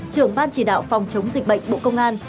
trưởng ban chỉ đạo phòng chống dịch bệnh bộ công an